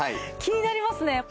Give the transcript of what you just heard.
気になりますね。